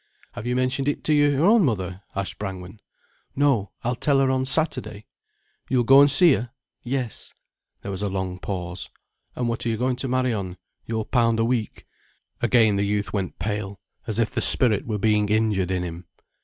"Have you mentioned it to your own mother?" asked Brangwen. "No—I'll tell her on Saturday." "You'll go and see her?" "Yes." There was a long pause. "And what are you going to marry on—your pound a week?" Again the youth went pale, as if the spirit were being injured in him.